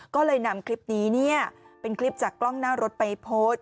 ก็เลยนำคลิปนี้เนี่ยเป็นคลิปจากกล้องหน้ารถไปโพสต์